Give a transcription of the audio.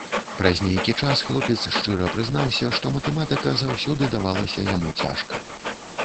Праз нейкі час хлопец шчыра прызнаўся, што матэматыка заўсёды давалася яму цяжка.